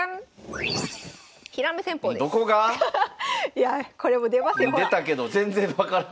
いやこれも出ますよほら。